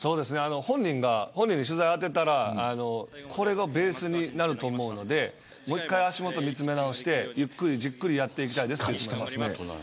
本人に取材をあてたらこれがベースになると思うのでもう一回、足元見つめ直してゆっくり、じっくりやっていきたいですと言っていました。